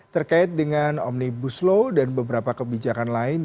terkait dengan omnibus law dan beberapa kebijakan lain